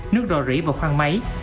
nước rò rỉ vào khoang máy